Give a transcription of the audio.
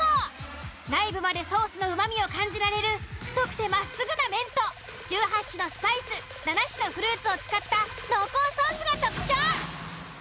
内部までソースのうまみを感じられる太くてまっすぐな麺と１８種のスパイス７種のフルーツを使った濃厚ソースが特徴。